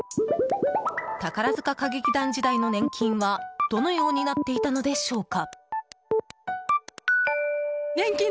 宝塚歌劇団時代の年金はどのようになっていたのでしょうか？